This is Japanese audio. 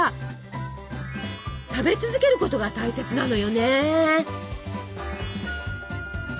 食べ続けることが大切なのよね。